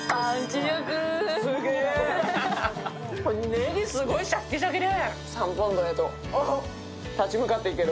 ねぎ、すごいシャッキシャキで。